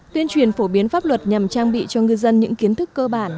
tuyên truyền phổ biến pháp luật nhằm trang bị cho ngư dân những kiến thức cơ bản